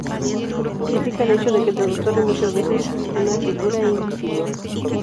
Critica el hecho de que el traductor es muchas veces una figura invisible.